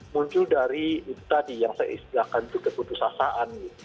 muncul dari itu tadi yang saya istilahkan itu keputusasaan gitu